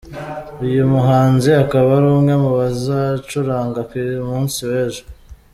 Uyu muhanzi akaba ari umwe mu bazacuranga ku munsi w’ejo.